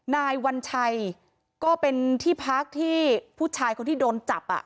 นายวัญชัยก็เป็นที่พักที่ผู้ชายคนที่โดนจับ